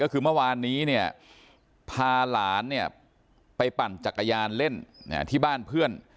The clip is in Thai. ก็คือเมื่อวานนี้เนี่ยพาหลานเนี่ยไปปั่นจักรยานเล่นที่บ้านเพื่อน